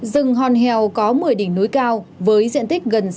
rừng hòn hèo có một mươi đỉnh núi cao với diện tích gần sáu hectare